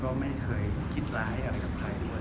ตอนนี้ก็คือใช้กฎหมายหยับเหลียวแล้วใช่ไหมครับ